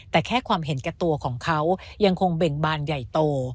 แต่แค่ความเห็นแก่ตัวของเขายังคงเบ่งบานใหญ่โต